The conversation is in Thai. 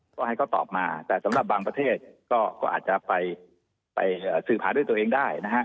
ก็ให้เขาตอบมาแต่สำหรับบางประเทศก็อาจจะไปสืบหาด้วยตัวเองได้นะฮะ